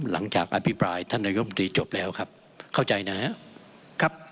อภิปรายท่านนายกรรมตรีจบแล้วครับเข้าใจนะครับ